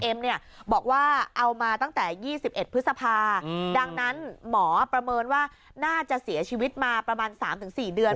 บอกว่าเอามาตั้งแต่๒๑พฤษภาดังนั้นหมอประเมินว่าน่าจะเสียชีวิตมาประมาณ๓๔เดือน